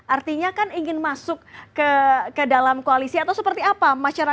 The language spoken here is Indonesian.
artinya kan ingin masuk ke dalam koalisi atau seperti apa